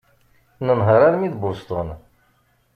Nenheṛ armi d Boston.